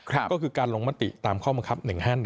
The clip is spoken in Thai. ก็คือการลงมติตามข้อบังคับ๑๕๑